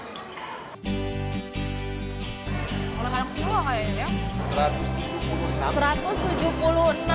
orang orang pilih kayaknya ya